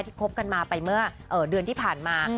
คบกันมาไปเมื่อเดือนที่ผ่านมา